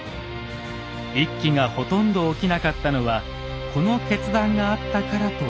一揆がほとんど起きなかったのはこの決断があったからと考えられます。